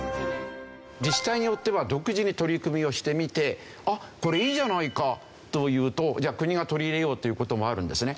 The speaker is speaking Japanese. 自治体によっては独自に取り組みをしてみてあっこれいいじゃないかというとじゃあ国が取り入れようという事もあるんですね。